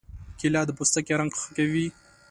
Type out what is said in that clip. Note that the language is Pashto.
کېله د پوستکي رنګ ښه کوي.